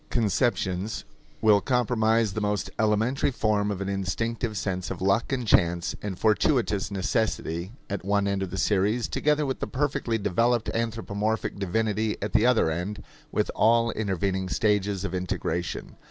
Such a chain of animistic conceptions will comprise the most elementary form of an instinctive sense of luck and chance and fortuitous necessity at one end of the series, together with the perfectly developed anthropomorphic divinity at the other end, with all intervening stages of integration.